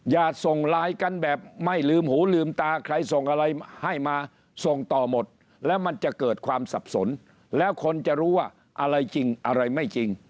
อย่าส่งไลน์กันแบบไม่ลืมหูลืมตาใครส่งอะไรให้มาส่งต่อหมดแล้วมันจะเกิดความสับสนแล้วคนจะรู้ว่าอะไรจริงอะไรไม่จริง